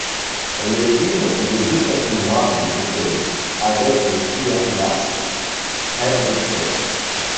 Elle est une des deux patinoires de Bourgogne avec le Cyber Glace près d'Auxerre.